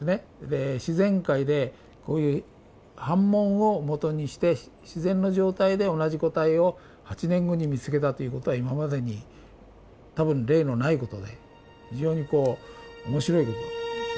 で自然界でこういう斑紋をもとにして自然の状態で同じ個体を８年後に見つけたということは今までに多分例のないことで非常に面白いことですね。